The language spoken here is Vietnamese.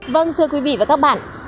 vâng thưa quý vị và các bạn